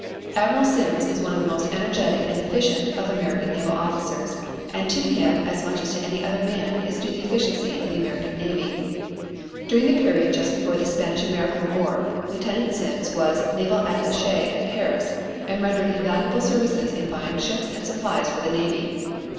Admiral Sims is one of the most energetic and efficient of American naval officers and to him as much as to any other man is due the efficiency of the American Navy. During the period just before the Spanish American War Lieutenant Sims was Naval Attache at Paris, and rendered invaluable services in buying ships and supplies for the Navy.